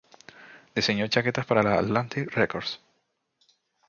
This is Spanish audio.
Diseñó chaquetas para la Atlantic Records.